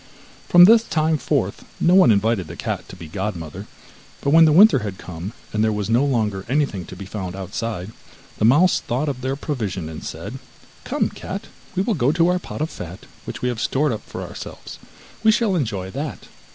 From this time forth no one invited the cat to be godmother, but when the winter had come and there was no longer anything to be found outside, the mouse thought of their provision, and said: 'Come, cat, we will go to our pot of fat which we have stored up for ourselves we shall enjoy that.